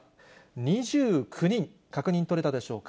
２９人、確認取れたでしょうか。